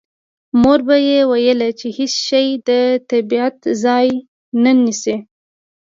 مور به یې ویل چې هېڅ شی د طبیعت ځای نه نیسي